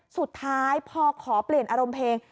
สุดท้ายพอขอเปลี่ยนอารมณ์เพลง